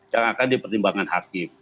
yang akan dipertimbangkan hakim